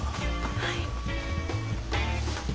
はい。